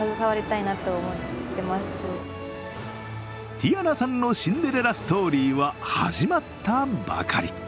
ティヤナさんのシンデレラストーリーは始まったばかり。